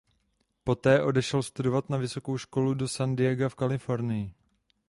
Poté odešel studovat na vysokou školu do San Diega v Kalifornii.